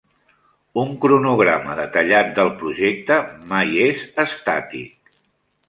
Un cronograma detallat del projecte mai és estàtic.